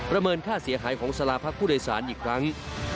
เมินค่าเสียหายของสาราพักผู้โดยสารอีกครั้ง